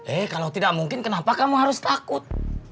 eh kalau tidak mungkin kenapa kamu harus takut